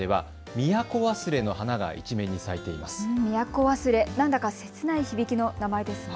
ミヤコワスレ、なんだか切ない響きの名前ですね。